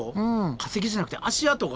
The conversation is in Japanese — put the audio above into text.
化石じゃなくて足跡が？